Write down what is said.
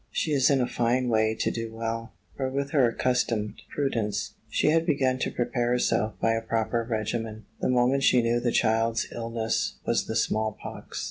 She is in a fine way to do well: for with her accustomed prudence, she had begun to prepare herself by a proper regimen, the moment she knew the child's illness was the small pox.